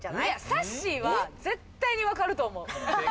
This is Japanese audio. さっしーは絶対にわかると思う。